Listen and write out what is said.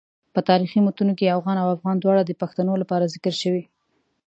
په تاریخي متونو کې اوغان او افغان دواړه د پښتنو لپاره ذکر شوي.